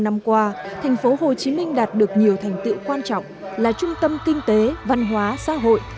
bốn mươi năm năm qua tp hcm đạt được nhiều thành tựu quan trọng là trung tâm kinh tế văn hóa xã hội